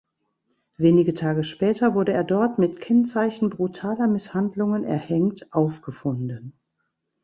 Wenige Tage später wurde er dort mit Kennzeichen brutaler Misshandlungen erhängt aufgefunden.